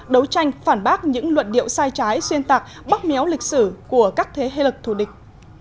đấu tranh phản bác những luận điệu sai trái xuyên tạc bóp méo lịch sử của các thế hệ lực thù địch